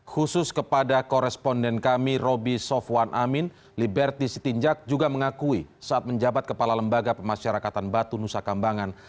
khusus kepada koresponden kami roby sofwan amin liberty sitinjak juga mengakui saat menjabat kepala lembaga pemasyarakatan batu nusa kambangan